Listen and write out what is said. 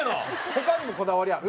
他にもこだわりある？